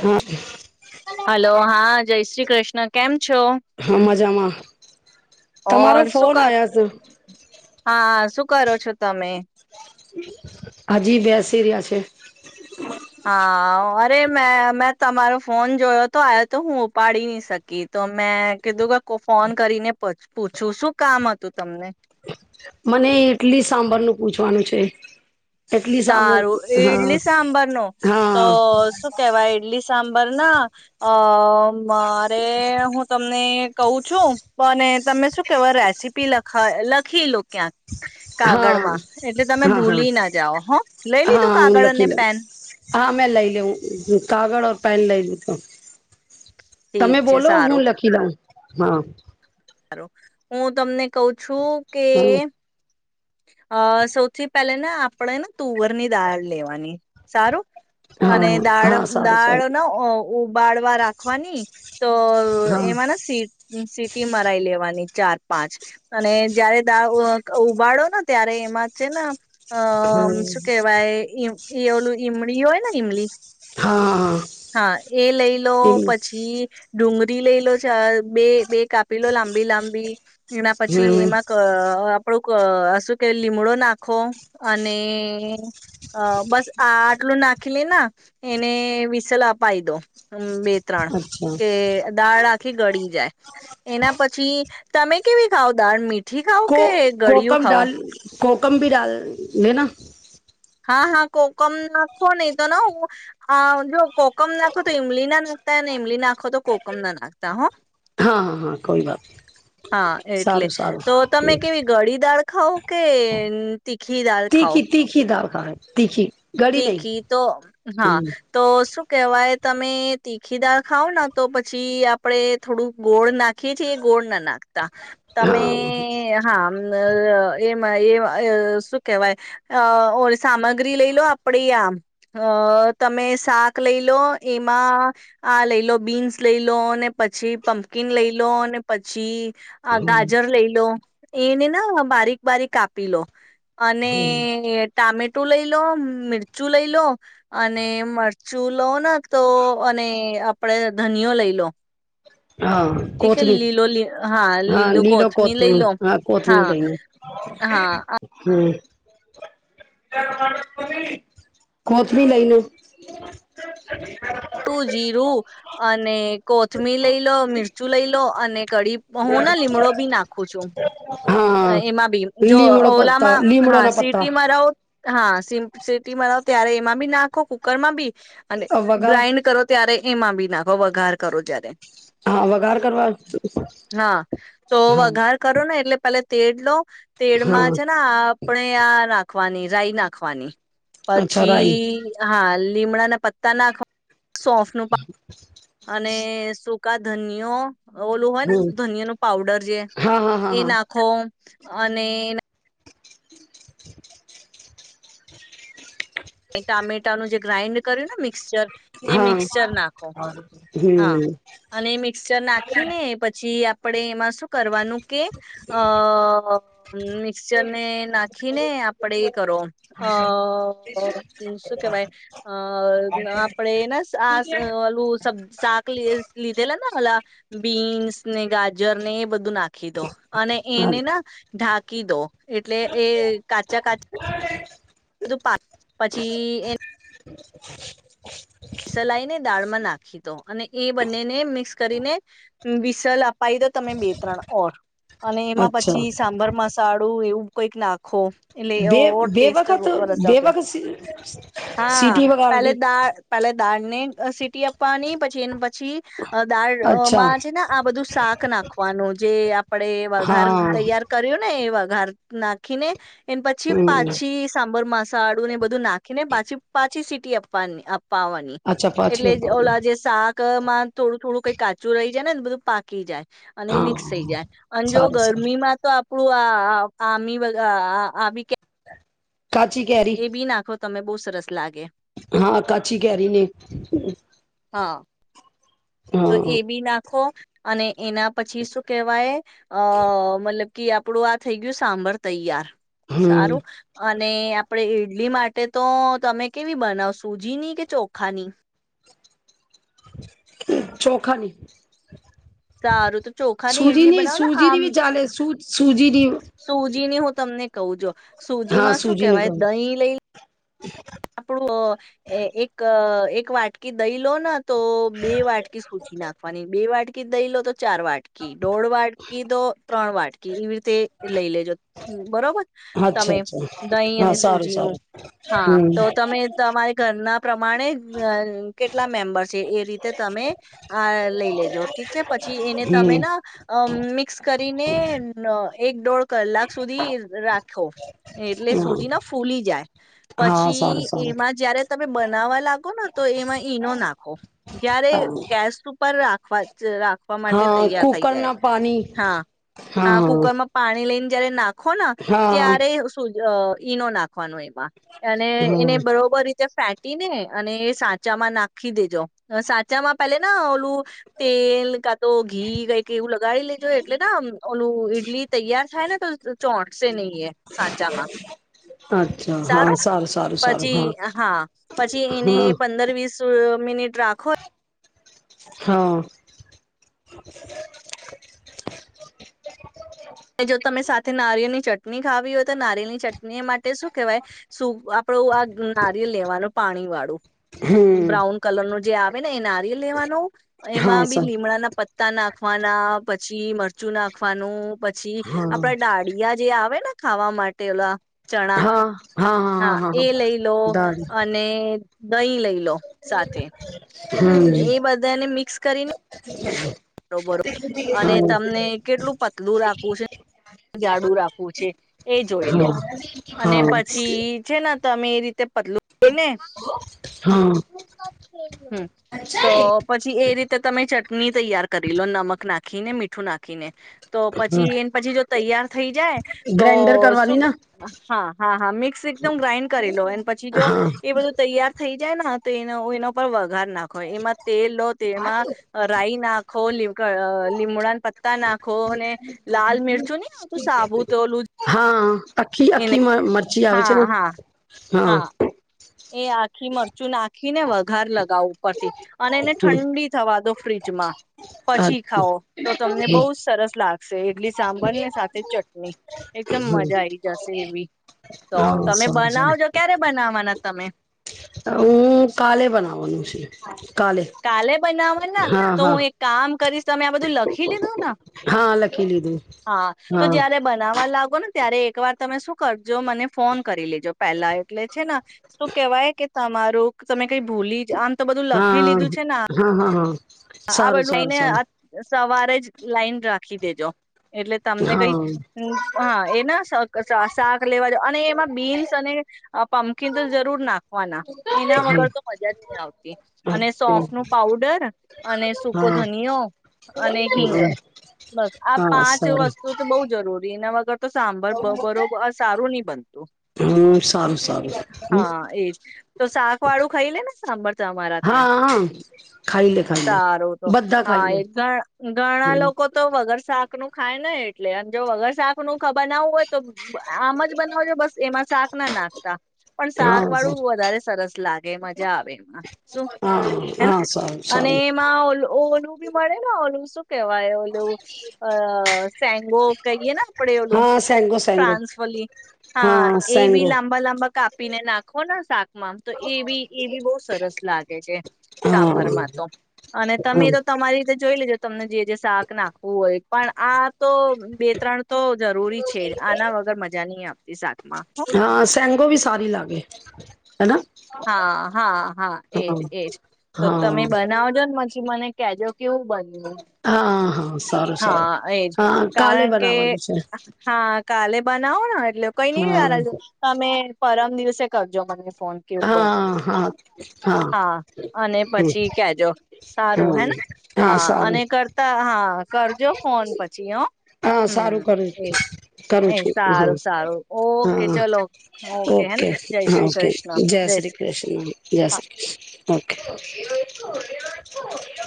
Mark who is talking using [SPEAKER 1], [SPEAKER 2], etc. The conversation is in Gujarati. [SPEAKER 1] હાં.
[SPEAKER 2] હલો, હા જય શ્રી ક્રષ્ણ, કેમ છો?
[SPEAKER 1] હા મજામાં તમારો
[SPEAKER 2] [unintelligible] શુ
[SPEAKER 1] ફોન
[SPEAKER 2] કર,
[SPEAKER 1] આવ્યા છે
[SPEAKER 2] હા શુક શું કરો છો તમે?
[SPEAKER 1] હજી બેસી રહ્યા છે.
[SPEAKER 2] હાં. અરે મે મેં તમારો ફોન જોયો તો આયો તો હું ઉપાડી ની શકી, તો મેં કીધું કે ફ ફોન કરીને પ પૂછું શું કામ હતું તમને?
[SPEAKER 1] મને ઈટલી સંભારનું પૂછવાનું છે. એટલી સાંભર
[SPEAKER 2] સારું
[SPEAKER 1] હા
[SPEAKER 2] ઈડલી સાંભર નું? તો
[SPEAKER 1] હા
[SPEAKER 2] શું કેવાય ઈડલી સાંભ પર ના અ મારે હું તમને કહું છું અને તમે શું કેવા રેસીપી લખ લખી લો ક્યાંક.
[SPEAKER 1] હા
[SPEAKER 2] કાગળમાં એટલે તમે
[SPEAKER 1] હા હા
[SPEAKER 2] ભૂલી ના જાઓ હ લઈ લીધું
[SPEAKER 1] હા હું
[SPEAKER 2] કાગળ અને
[SPEAKER 1] લખી લઉં
[SPEAKER 2] પેન.
[SPEAKER 1] હા મેં લઈ લેઉ કાગળઓર પેન લઇ લીધો. તમે
[SPEAKER 2] ઠીક છે
[SPEAKER 1] બોલો હું
[SPEAKER 2] સારું
[SPEAKER 1] લખી લવ. હા.
[SPEAKER 2] હું તમને કઉ શું કે.
[SPEAKER 1] હા
[SPEAKER 2] અ સૌથી પહેલે ને આપણેે ને તુવર ની દાળ લેવાની સારું
[SPEAKER 1] હા
[SPEAKER 2] અને દાળ
[SPEAKER 1] હા સારું
[SPEAKER 2] દાળ
[SPEAKER 1] સારું
[SPEAKER 2] ન ઉબાડવા રાખવાની તો
[SPEAKER 1] હા
[SPEAKER 2] એમાં સી સીટી મરાઈ લેવાની. ચાર પાંચ અને જયારે દા અ ઉબાડો ત્યારે એમાં છે ને અ
[SPEAKER 1] હમ
[SPEAKER 2] શું કેહેવાય એ ઓલું ઈમડી હોય ને ઈમલી.
[SPEAKER 1] હા હા
[SPEAKER 2] હા એ લઈ લો
[SPEAKER 1] એવું
[SPEAKER 2] પછી ડુંગરી લઈ લો ચ બે બે કાપી લો લાંબી લાંબી. એના પછી
[SPEAKER 1] હમ
[SPEAKER 2] એમાં ઘ આપું. [unintelligible] શું કે લીમડો નાખો, અને બસ આ આટલું નાખી લે ના, એને વિસલ અપાઈ દો. બે ત્રણ,
[SPEAKER 1] અચ્છા
[SPEAKER 2] કે દાળ આખી ગળી જાય, એના પછી તમે કેવી ખાવ દાર મીટ મઠી ખાઓ
[SPEAKER 1] કો
[SPEAKER 2] કે ગળિયું
[SPEAKER 1] કોકમ
[SPEAKER 2] ખાઓ?
[SPEAKER 1] ડાલ કોકમ ભી ડાલ દેના.
[SPEAKER 2] હા હા કોકમ નાખો નહી તો ના હ, જો કોકમ નાખો તો ઈમલી ના નાખતા ઈમલી નાખો તો કોકમ ના નાખતા હો.
[SPEAKER 1] હા હા હા કોઈ વાત.
[SPEAKER 2] હા એટલે,
[SPEAKER 1] સારું સારું
[SPEAKER 2] તો તમે કેવી ઘડી દાળ ખઉ કે તીખી દાળ ખાઓ
[SPEAKER 1] તીખી તીખી દઉ. હા તીખી. ગળી નહી
[SPEAKER 2] તીખી તો હા
[SPEAKER 1] હમ
[SPEAKER 2] તો શું કેહેવાય તમે તીખી દાળ ખાવ ને તો પછી આપણેે થોડું ગોળ નાખીએ છીએ એ ગોળ ના નાખતા, તમે
[SPEAKER 1] હા
[SPEAKER 2] હા એમાં એ શું કેહેવાય ઓ સામગ્રી લઈ લો. આપ આમ તમે શાક લઈ લો એમાં, આ લઈ લો બીન્સ લઈ લો ને પછી પમ્પકીન લઈ લો ને પછી, આ ગાજર લઈ લો એને ના બારીક બારીક કાપી લો, અને ટામેટો લઈ લો મ મરચું લઈ લો, અને મરચું લો ને તો અને આપડે ધનિયો લઈ લો.
[SPEAKER 1] હા
[SPEAKER 2] ઠીક હે
[SPEAKER 1] કોથમી
[SPEAKER 2] લીલો લી
[SPEAKER 1] હા
[SPEAKER 2] લીલું
[SPEAKER 1] લીલો
[SPEAKER 2] લઈ
[SPEAKER 1] કોથમી
[SPEAKER 2] લો.
[SPEAKER 1] હા કોથમી જહી
[SPEAKER 2] હા
[SPEAKER 1] હમ. [inaudible] કોથમી લઈને
[SPEAKER 2] ટુ જીરો, અને કોથમીર લઈ લો, મિરચું લઈ લો અને કઢી હું ન લીમડો બી નાખું છું,
[SPEAKER 1] હા
[SPEAKER 2] એમાં બી જો
[SPEAKER 1] લીમડો પત્તા
[SPEAKER 2] ઓલામાં
[SPEAKER 1] લીમડો
[SPEAKER 2] હાં
[SPEAKER 1] ના પત્તા
[SPEAKER 2] સિટી મરાઉ હા સિમ્પસિટી મરાઉ ત્યારે એમાં બી નાખુ, કુકરમાં બી અને
[SPEAKER 1] વઘાર
[SPEAKER 2] ગ્રાઇન્ડ કરો ત્યારે એમાં બી નાખો વઘાર કરો ત્યારે.
[SPEAKER 1] હા વઘાર કરવા
[SPEAKER 2] હાં તો
[SPEAKER 1] હા
[SPEAKER 2] વઘાર કરો ને એટલે પેલ્લા તેડ લો. તેડમાં
[SPEAKER 1] હા
[SPEAKER 2] છે ને આપણે આ નાખ ખવાની રાઈ નાંખવાની.
[SPEAKER 1] અચ્છા રાઈ
[SPEAKER 2] પછી હાં લીમડાના પત્તા નાંખવા સોફનું પા અને સુ કા ધનિયો ઓલું હોય ને
[SPEAKER 1] હમ
[SPEAKER 2] ધનિયાનો પાવડર જે
[SPEAKER 1] હા હા
[SPEAKER 2] એ
[SPEAKER 1] હા
[SPEAKER 2] નાંખો અને
[SPEAKER 1] [inaudible]
[SPEAKER 2] એ ટામેટાનું જે ગ્રાાઈન્ડ કર્યું ને મિક્સચર. એ
[SPEAKER 1] હા હા
[SPEAKER 2] મિક્ચર નાખો, હા
[SPEAKER 1] હમ
[SPEAKER 2] અને એ મિક્ચર નાખીને પછી આપ પડે એમાં શું કરવાનું કે અ મિક્ચર ને નાખીને આપડે એ કરો અ શું કેવાય, અ આપડે ઓલું, શાક લીધેલા ને ઓ બીન્સ ને ગાજર ને એ બધું નાખી દો, અને એને ના ઢા કી દો. એટલે એ કાચા કાચા બધું પા પછી એ
[SPEAKER 1] [inaudible]
[SPEAKER 2] વિસલાઈને દાળમાં નાખી દો અને એ બંનેને મિક્સ કરીને, વિસલ અપાઈ દો તમે બે ત્રણ ઓર. અને એમાં
[SPEAKER 1] અચ્છા
[SPEAKER 2] પછી સાંભર મસાળું એવું કોઈક ના
[SPEAKER 1] બે બે વખત
[SPEAKER 2] વરસ આવશે
[SPEAKER 1] બેવખત સિટી વગાની?
[SPEAKER 2] પલે દાળ ને સીટી આપવાની પછી એને પછી,
[SPEAKER 1] અચ્છા
[SPEAKER 2] દાળમાં છે ને આ બધું શાક નાખવાનું જે આપણેે વઘાર
[SPEAKER 1] હા
[SPEAKER 2] તૈયાર કર્યું ને એ ઘાર નાંખીને એ પછી
[SPEAKER 1] હમ
[SPEAKER 2] પાછી સાંભર મસા સાડું ને બધું નાખીને પછી પાછી સીટી આપવાની આપ પાવાની
[SPEAKER 1] અચ્છા પાછી
[SPEAKER 2] એટલે
[SPEAKER 1] અપાવનું
[SPEAKER 2] ઓલા જે શાક ક માં થોડું થોડું કંઈ કાચું રહી જાય નેને બધું પાકી જાય અને મિક્સ થઈ
[SPEAKER 1] હા
[SPEAKER 2] જાય અન જો
[SPEAKER 1] સારું સારું
[SPEAKER 2] ગરમી માં તો આપ આપડુ આ આ આમી વધા આ આમી કે
[SPEAKER 1] કાચી કેરી
[SPEAKER 2] તમે બહુ સરસ લાગે.
[SPEAKER 1] હા કાચી કેરીને
[SPEAKER 2] હા. તો એ
[SPEAKER 1] હા
[SPEAKER 2] બી નાંખો અને એના પછી શું કેહવાય અ મલબ કે આપડું આ થઇ ગયું સાંભર તૈયાર
[SPEAKER 1] હમ
[SPEAKER 2] સારું અને આપડે ડલી માટે તો તમે કેવી બનાવ સૂજીની કે ચોખાની?
[SPEAKER 1] ચોખાની.
[SPEAKER 2] સારું તો ચોખાની ઈડલી
[SPEAKER 1] સૂજીની
[SPEAKER 2] બનાવો ને
[SPEAKER 1] સૂજીની
[SPEAKER 2] આમ
[SPEAKER 1] બી ચાલે [unintelligible]
[SPEAKER 2] સુજી ની હું તમને કહું જો સુજી
[SPEAKER 1] હા
[SPEAKER 2] માં શું
[SPEAKER 1] સૂજીની
[SPEAKER 2] કેવાય
[SPEAKER 1] કહું
[SPEAKER 2] દહીં લઈ આપડો એ એક-એક વાટકી દહી લો ના તો બે વાટકી સૂજી નાખવાની, બે વાટકી કી દહીં લો તો ચાર વાટકી, દોઢ વાટકી, તો ત્રણ વાટ [unintelligible] તે લઈ લેજો. હમ્મ, બરોબર. તમે
[SPEAKER 1] અચ્છા-અચ્છા,
[SPEAKER 2] દહીં
[SPEAKER 1] હા
[SPEAKER 2] અને સૂજીનું
[SPEAKER 1] સારું-સારું,
[SPEAKER 2] હા
[SPEAKER 1] હમ્મ.
[SPEAKER 2] તો તમે તમારે ઘર ના પ્રમાણે અહ કેટલા મેમ્બર છે, એ રીતે તમે આ લઈ લેજો ઠીક છે. પછી એને તમે
[SPEAKER 1] હમ
[SPEAKER 2] ના અમ મિ મિક્સ કરીને એક દોઢ કલાક સુધી રાખો. એટલે
[SPEAKER 1] હા
[SPEAKER 2] સુજી ના ફૂલી જાય. પછ
[SPEAKER 1] હા સારું
[SPEAKER 2] પછી
[SPEAKER 1] સારું
[SPEAKER 2] એમાં જયારે ત બનાવા લાગ તો એમાં ઈનો નાખો જયારે ગેસ ઉપર રા પત. જ રાખવા માટે
[SPEAKER 1] હા
[SPEAKER 2] તૈયાર થઈ જાય
[SPEAKER 1] કુકરના પાણી
[SPEAKER 2] હા હા કુકર માં પાણી લઈને જય્યારે ના નાખો ન
[SPEAKER 1] હા
[SPEAKER 2] ત્યારે સુુજી અ ઈનો નાખવાનો એમાં. અને
[SPEAKER 1] હમ
[SPEAKER 2] એને બરોબર. ફેટીને અને સાચામાં નાખી દેજો સાચામાં પેલે ઓલું તેલ કા તો ઘી કઈક એવું લગાડી લેજો એટલે ના ઓલું ઈડલી તૈયાર થાય ને તો ચોટશે નહી એ. સાચામાં
[SPEAKER 1] અચ્છા હા
[SPEAKER 2] સારું
[SPEAKER 1] સાલ.
[SPEAKER 2] પછી હા પછી એને
[SPEAKER 1] હમ
[SPEAKER 2] પંદર વીસ. મિનિટ રાખો.
[SPEAKER 1] હા.
[SPEAKER 2] જો તમે સાથે નારિયેની ચટણી ખાવી હોય તો નારિયેની ચટણી માટે શું કેહેવાય આપણો આ નારિયે લેવાનો પાણી વાળું.
[SPEAKER 1] હમ
[SPEAKER 2] બ્રાઉન કલર નું જે. ભને એનારિયલ લેવાનો.
[SPEAKER 1] હા
[SPEAKER 2] એમાં બી
[SPEAKER 1] સર
[SPEAKER 2] લીમડા ના પ. પતા નાખવાના પછી મરચું નાખવાનું. પછી
[SPEAKER 1] હા
[SPEAKER 2] આપડા ડાડયા જે આવે ને. ખાવા માટે ઓલા. ચણા
[SPEAKER 1] હા.
[SPEAKER 2] હા એ લઈ લો
[SPEAKER 1] દાળ
[SPEAKER 2] અને દહીં લઈ લો સાથે
[SPEAKER 1] હમ
[SPEAKER 2] એ બધાને મિક્સ. કરીને.
[SPEAKER 1] હા.
[SPEAKER 2] બરોબર અને તમને કેટલું પતલું રાખવું છે જાડું રાખવું છે એ જોઈ લો
[SPEAKER 1] હા
[SPEAKER 2] અને
[SPEAKER 1] હા
[SPEAKER 2] પછી છેને. તમે એ રીતે પતલું. એને
[SPEAKER 1] હા
[SPEAKER 2] હ તો પછી એ રીતે તમે ચ. ની તૈયાર. કરી લો નમક નાખી ને મીઠું નાખીને. તો
[SPEAKER 1] હા
[SPEAKER 2] પછી એને પછી જો તૈયાર થઈ જાય તો
[SPEAKER 1] ગ્રાઇન્ડર
[SPEAKER 2] શ
[SPEAKER 1] કરવાની ને
[SPEAKER 2] હા હા હા મિક્સ એકદમ ગ્રાાઈન્ડ કરી લો એ પછી જો
[SPEAKER 1] હા
[SPEAKER 2] એ બધું તૈયાર થઈ. જાય તો એ એના પર વ. ાર નાખો એમાં તેલ લો તે એમાં રાઈ નાખ. ખો લીમડા પત્તા નાખો અને લાલ મિરચું નહી આવતું સાબુ તો ઓલું
[SPEAKER 1] હા આખી
[SPEAKER 2] એને
[SPEAKER 1] આખી મરચી આવે છે
[SPEAKER 2] હા
[SPEAKER 1] ને
[SPEAKER 2] હા હા. ઘર લગ. અગાઉ ઉપરથી અને એને ઠંડી થવા દો ફ્રીજમાં
[SPEAKER 1] હા
[SPEAKER 2] પછી ખાાવ તો તમને બહુ જ સરસ લાગશે એડલી સાંભર ને સાથે ચટણી એકદમ મજા આઈ જશે એવી તો તમે
[SPEAKER 1] સારું
[SPEAKER 2] બનાવજો ક્યારે બનાવાના. તમે.
[SPEAKER 1] હ કાલે બનાવાનું છે.
[SPEAKER 2] કાલે બનાવા ના
[SPEAKER 1] હા
[SPEAKER 2] તો
[SPEAKER 1] હા
[SPEAKER 2] હું એક કામ કરીશ. તમે આ બધું લખી લીધું ને
[SPEAKER 1] હા લખી લીધું
[SPEAKER 2] હા તો જયારે બનાવા લાગો ને. ત્યારે એકવાર તમે શું કરજો મને ફોન કરી લેજો. જો પહેલા એટલે છે શું કેવાય કે તમારું તમે કઈ ભૂલી જ આમ તો બધું લખી
[SPEAKER 1] હા
[SPEAKER 2] લીધું છે ને
[SPEAKER 1] હા હા હા.
[SPEAKER 2] આ
[SPEAKER 1] સારું
[SPEAKER 2] બધું
[SPEAKER 1] સારું સારું
[SPEAKER 2] એને સવારે જ લાઈન રાખી દેજો. એટલે તમને કઈ
[SPEAKER 1] હા
[SPEAKER 2] હા એના શાક લેવાજ અને એમાં બીન્સ અને અ પમકીન તો જરૂર નાખવાના એના
[SPEAKER 1] હા
[SPEAKER 2] વગર તો મજા નહી આવતી અને સોફ નું પાઉડર. અને સૂકો
[SPEAKER 1] હા
[SPEAKER 2] ધનયો અને હિંગ બસ આ
[SPEAKER 1] હા
[SPEAKER 2] પાંચ
[SPEAKER 1] સારું
[SPEAKER 2] વસ્તુ તો બઉ જરૂર તેના વગર તો સાંભર બ બરોબ, સારું ની બનતું.
[SPEAKER 1] હમ સારું સારું
[SPEAKER 2] હા, એજ. તો શાકવાળું ખાઈ લે ને સાંભર તમારા
[SPEAKER 1] હા
[SPEAKER 2] ત્યાં?
[SPEAKER 1] હા ખાઈ લે ખાઈ લે
[SPEAKER 2] સારું, તો
[SPEAKER 1] બધા ખાઈ
[SPEAKER 2] હા.
[SPEAKER 1] લે
[SPEAKER 2] એ ઘણા લોકો તો વગર સાક ખાય ના એટલે. અન જો વગર શાકનું બનાવવું હોય તો આમ જ બનાવજો, બસ એમાં શાક ના નાખતા. પણ
[SPEAKER 1] હા
[SPEAKER 2] શાકવાળું વધારે સરસ લાગે, મજા આવે એમાં. શું
[SPEAKER 1] હા
[SPEAKER 2] હેન?
[SPEAKER 1] હા સારું
[SPEAKER 2] અને
[SPEAKER 1] સારું
[SPEAKER 2] એમાં ઓ ઓલું બી મળે ને ઓલું શું કેવાય ઓલું, અ સેંગો કહીએ ને આપડે ઓલું?
[SPEAKER 1] હા સેંગો સેંગો
[SPEAKER 2] ફ્રાન્સ ફલી. હા એ બી લાંબા લાંબા કાપી ને નાખો ને શાક એમાં, તો એ બી, એ બી બો સરસ લાગે છે,
[SPEAKER 1] હા
[SPEAKER 2] સાંભરમાં. અને તમે તો તમારી રીતે જોઈ લેજો. તમને જે જે શાક નાખવું હોય પણ આ, તો બે ત્રણ તો જરૂરી છે જ. આના વગર મઝા નહી આપે. સારુ.
[SPEAKER 1] હા સેંગો ભી સારી લાગે. હેના?
[SPEAKER 2] હા, હા, હા એજ એજ, તો
[SPEAKER 1] હા
[SPEAKER 2] તમે બનાવજો ને મજ મને કેજો. કેવું બન્યું.
[SPEAKER 1] હા હા, સારું-સારું,
[SPEAKER 2] હા એજ
[SPEAKER 1] હા કાલે
[SPEAKER 2] કારણ કે
[SPEAKER 1] બનાવાનું છે.
[SPEAKER 2] હા કાલે બનાવોના એટલે
[SPEAKER 1] હા
[SPEAKER 2] [unintelligible] તમે પરમ દિવસે કરજો મતલબ.
[SPEAKER 1] હા હા
[SPEAKER 2] [unintelligible] હા અને પછી કેજો. સારું
[SPEAKER 1] હા
[SPEAKER 2] હેના હા અને કર હા. કરજો ફોન પછી હો,
[SPEAKER 1] હા સારું કરું
[SPEAKER 2] હમ્મ એજ.
[SPEAKER 1] કરું
[SPEAKER 2] એ
[SPEAKER 1] છું હા
[SPEAKER 2] સારું-સારું, ઓકે,
[SPEAKER 1] હા
[SPEAKER 2] ચલો. ઓકે હે ને જય
[SPEAKER 1] હા
[SPEAKER 2] શ્રી
[SPEAKER 1] ઓકે
[SPEAKER 2] કૃષ્ણ. જય શ્રી કૃષ્ણ
[SPEAKER 1] જય
[SPEAKER 2] હા.
[SPEAKER 1] શ્રી કૃષ્ણ ઓકે.